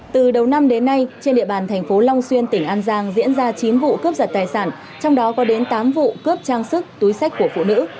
từ đầu năm đến nay trên địa bàn thành phố long xuyên tỉnh an giang diễn ra chín vụ cướp giật tài sản trong đó có đến tám vụ cướp trang sức túi sách của phụ nữ